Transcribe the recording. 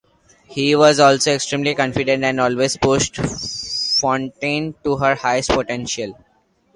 He was also extremely confident and always pushed Fonteyn to her highest potential.